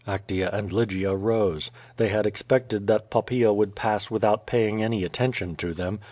Actea and Lygia rose. They had expected that Poppaea would pass without paying any attention to them.